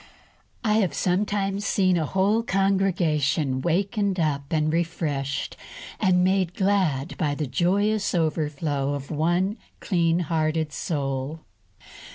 I have sometimes seen a whole congregation wakened up and refreshed and made glad by the joyous overflow from one clean hearted soul.